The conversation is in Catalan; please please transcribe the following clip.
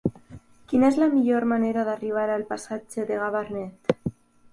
Quina és la millor manera d'arribar al passatge de Gabarnet?